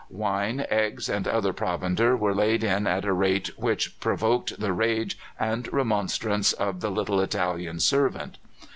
Wine, eggs, and other provender were laid in at a rate which provoked the rage and remonstrance of the little Italian servant.